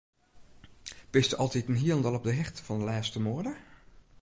Bisto altiten hielendal op 'e hichte fan de lêste moade?